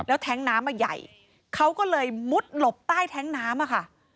แล้วแท้งน้ำมาใหญ่เขาก็เลยมุดหลบใต้แท้งน้ำอะค่ะ